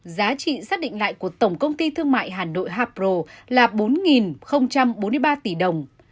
giá trị xác định lại của tổng công ty thương mại hà nội hapro là bốn bốn mươi ba tỷ đồng